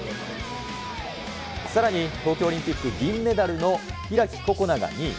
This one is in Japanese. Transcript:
さらに東京オリンピック銀メダルの開心那が２位。